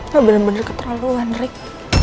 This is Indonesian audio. gak bener bener keterlaluan rick